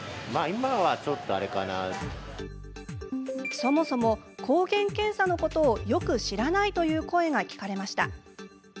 そもそも抗原検査のことをよく知らないという声が聞かれました。